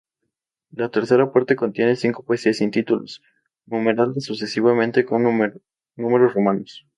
La "Parte Tercera"contiene cinco poesías sin títulos, numeradas sucesivamente con números romanos.